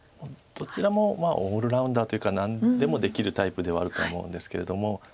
どちらもオールラウンダーというか何でもできるタイプではあると思うんですけれども。